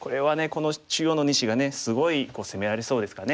この中央の２子がねすごい攻められそうですかね。